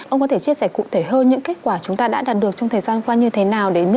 ông có thể chia sẻ cụ thể hơn những kết quả chúng ta đã đạt được trong thời gian qua như thế nào